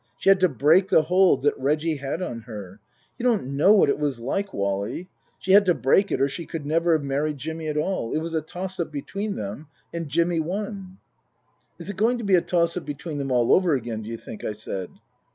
She had to break the hold that Reggie had on her. You don't know what it was like, Wally. She had to break it or she could never have married Jimmy at all. It was a toss up between them ; and Jimmy won." "Is it going to be a toss up between them all over again, d'you think ?" I said.